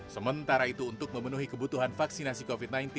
sementara itu untuk memenuhi kebutuhan vaksinasi covid sembilan belas